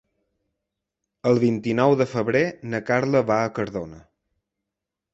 El vint-i-nou de febrer na Carla va a Cardona.